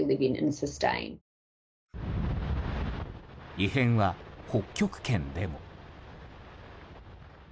異変は北極圏でも。